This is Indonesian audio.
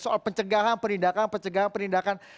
soal pencegahan penindakan pencegahan penindakan